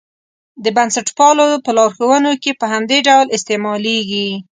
د بنسټپالو په لارښوونو کې په همدې ډول استعمالېږي.